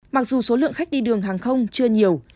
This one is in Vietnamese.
mặc dù số lượng khách đi đường hàng không chưa nhiều